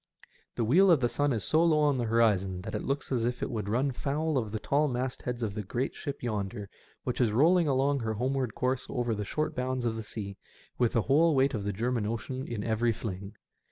The wheel of the sun is so low on the horizon that it looks as if it would run foul of the tall mastheads of the great ship yonder, which is rolling along her homeward course over the short bounds of the sea, with the whole weight of the German Ocean in every fling.